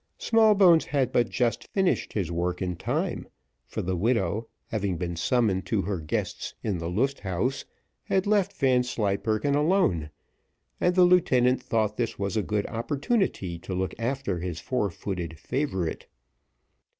Smallbones had but just finished his work in time; for the widow having been summoned to her guests in the Lust Haus, had left Vanslyperken alone, and the lieutenant thought this a good opportunity to look after his four footed favourite.